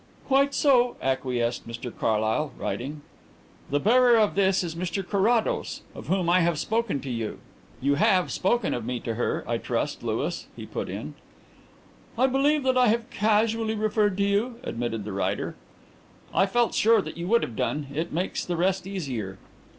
"Quite so," acquiesced Mr Carlyle, writing. "'The bearer of this is Mr Carrados, of whom I have spoken to you.' "You have spoken of me to her, I trust, Louis?" he put in. "I believe that I have casually referred to you," admitted the writer. "I felt sure you would have done. It makes the rest easier.